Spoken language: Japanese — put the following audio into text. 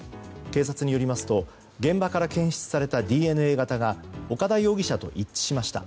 警察によりますと現場から検出されたＤＮＡ型が岡田容疑者と一致しました。